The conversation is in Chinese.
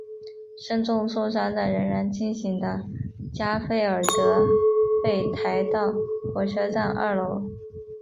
身受重伤但仍然清醒的加菲尔德被抬到火车站二楼。